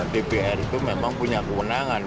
dpr itu memang punya kewenangan